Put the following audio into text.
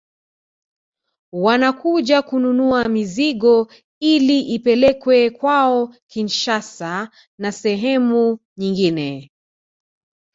Wanakuja kununua mizigo ili ipelekwe kwao Kinshasa na sehemu nyingine